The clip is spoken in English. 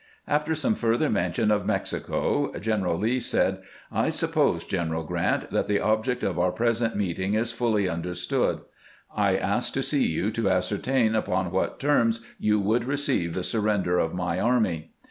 After some further mention of Mexico, General Lee said :" I suppose. General Grant, that the object of our present meeting is fully under stood. I asked to see you to ascertain upon what terms you would receive the surrender of my army."